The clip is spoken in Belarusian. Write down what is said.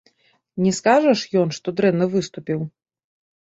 Не скажа ж ён, што дрэнна выступіў.